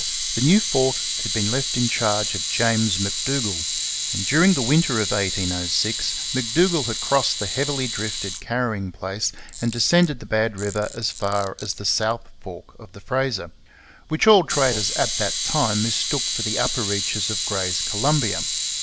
The new fort had been left in charge of James M'Dougall; and during the winter of 1806 M'Dougall had crossed the heavily drifted carrying place and descended the Bad River as far as the south fork of the Fraser, which all traders at that time mistook for the upper reaches of Gray's Columbia.